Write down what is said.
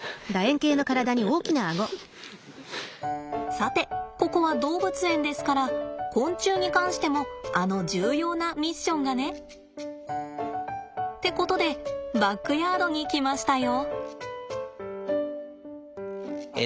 さてここは動物園ですから昆虫に関してもあの重要なミッションがね。ってことでバックヤードに来ましたよ。